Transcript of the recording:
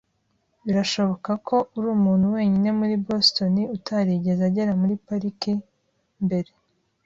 Birashoboka ko uri umuntu wenyine muri Boston utarigeze agera muri iyi parike mbere.